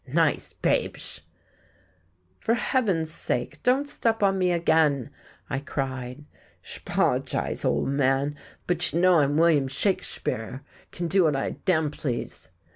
Nice Babesh!" "For heaven's sake don't step on me again!" I cried. "Sh'poloshize, old man. But y'know I'm William Shakespheare. C'n do what I damplease."